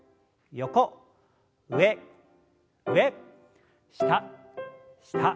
上上下下。